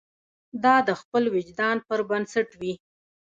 دا د خپل وجدان پر بنسټ وي.